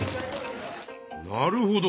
なるほど。